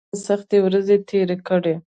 سکندر هم دلته سختې ورځې تیرې کړې